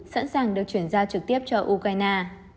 sẵn sàng được chuyển giao trực tiếp cho ukraine